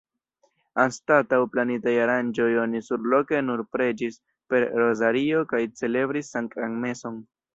Anstataŭ planitaj aranĝoj oni surloke nur preĝis per rozario kaj celebris sanktan meson.